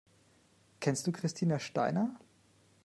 Kennst du Christina Steiner?